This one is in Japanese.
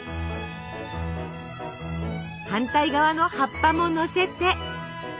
反対側の葉っぱものせて。